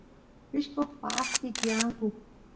pishqos paaqpi tiyanku